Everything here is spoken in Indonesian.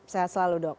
sehat selalu dok